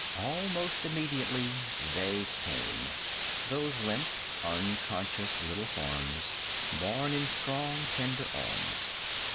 Almost immediately they came those limp, unconscious little forms borne in strong, tender arms.